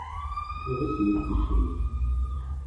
Tuɣ-itt di tgecrirt.